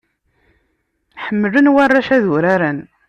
Ḥemmlen warrac ad uraren.